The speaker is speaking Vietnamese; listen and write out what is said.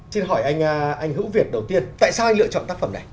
xin hỏi anh hữu việt đầu tiên tại sao lựa chọn tác phẩm này